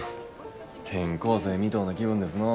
転校生みとうな気分ですのう。